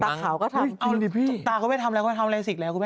ตาขาวก็ทำจริงตาก็ไม่ทำแล้วก็ทำอะไรสิ